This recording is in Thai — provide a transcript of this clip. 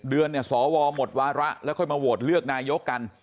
๑๐เดือนสวหมดวาระแล้วมาโหวตเลือกนายกกัน